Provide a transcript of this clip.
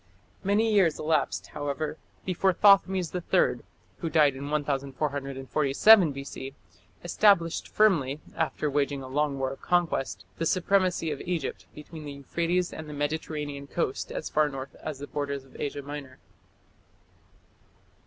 Many years elapsed, however, before Thothmes III, who died in 1447 B.C., established firmly, after waging a long war of conquest, the supremacy of Egypt between the Euphrates and the Mediterranean coast as far north as the borders of Asia Minor.